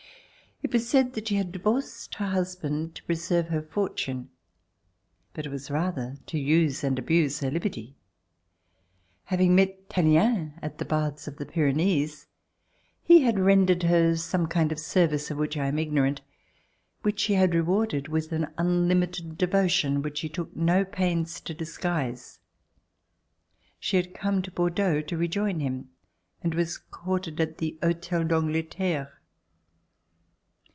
It was said that she had divorced her husband to preserve her fortune, but it was rather to use and abuse her liberty. Having met Tallien at the Baths of the Pyrenees, he had rendered her some kind of service of which I am ignorant, which she had rewarded with an unlimited devotion which she took no pains to disguise. She had come to Bordeaux to rejoin him and was quartered at the Hotel d'Angleterre.